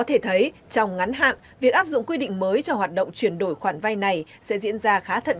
thì thường thường trong bối cảnh tụi mình nợ xấu đang gia tăng